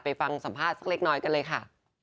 ฟังสัมภาษณ์สักเล็กน้อยกันเลยค่ะ